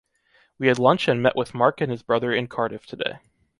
We had lunch and met with Mark and his brother in Cardiff today.